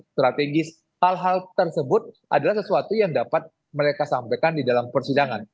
strategis hal hal tersebut adalah sesuatu yang dapat mereka sampaikan di dalam persidangan